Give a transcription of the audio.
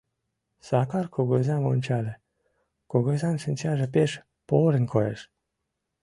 Сакар кугызам ончале; кугызан шинчаже пеш порын коеш.